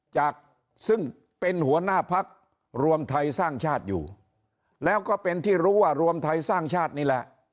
จากซึ่งเป็นหัวหน้าพักรวมไทยสร้างชาติอยู่แล้วก็เป็นที่รู้ว่ารวมไทยสร้างชาตินี่แหละ